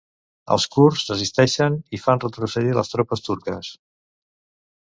Els kurds resisteixen i fan retrocedir les tropes turques